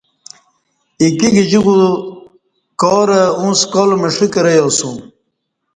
ایکی گجیکو کارہ اوں سکال مݜہ کرہ ییسوم